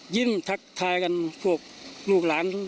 ทักทายกันพวกลูกหลาน